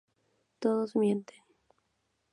Todos mienten.